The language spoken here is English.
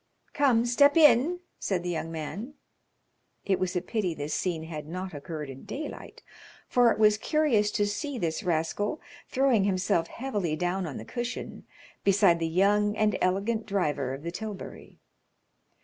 "Come, step in," said the young man. It was a pity this scene had not occurred in daylight, for it was curious to see this rascal throwing himself heavily down on the cushion beside the young and elegant driver of the tilbury.